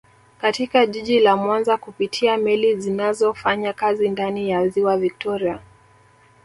Katika jiji la Mwanza kupitia meli zinazofanya kazi ndani ya ziwa viktoria